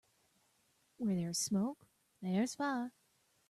Where there's smoke there's fire.